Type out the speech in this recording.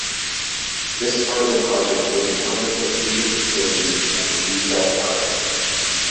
This part of the project would encompass of leisure facilities and a retail park.